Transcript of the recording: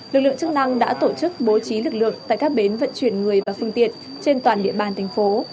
lực lượng chức năng đã tổ chức bố trí lực lượng tại các bến vận chuyển người và phương tiện trên toàn địa bàn thành phố